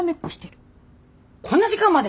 こんな時間まで！？